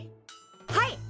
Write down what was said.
はい！